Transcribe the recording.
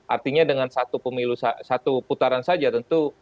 artinya dengan satu putaran saja tentu